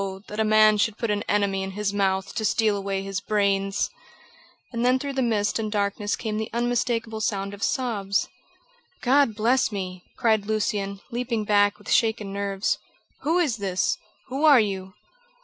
that a man should put an enemy in his mouth to steal away his brains!" And then through the mist and darkness came the unmistakable sound of sobs. "God bless me!" cried Lucian, leaping back, with shaken nerves. "Who is this? Who are you?"